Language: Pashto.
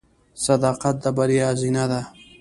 • صداقت د بریا زینه ده.